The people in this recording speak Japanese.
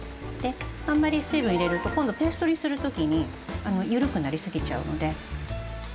あんまり水分入れると今度ペーストにする時にゆるくなりすぎちゃうので。